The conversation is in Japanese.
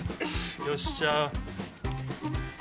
よっしゃ。